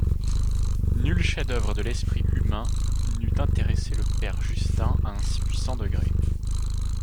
Nul chef-d'oeuvre de l'esprit humain n'eût intéressé le père Justin à un si puissant degré.